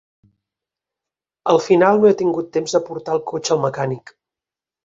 Al final no he tingut temps de portar el cotxe al mecànic.